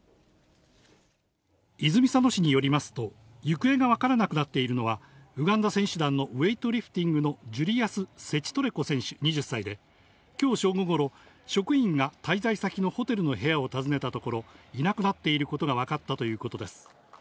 泉佐野市によりますと、行方が分からなくなっているのは、ウガンダ選手団のウエイトリフティングのジュリアス・セチトレコ選手２０歳で、きょう正午ごろ、職員が滞在先のホテルの部屋を訪ねたところ、いなくなっていることが分かったということです。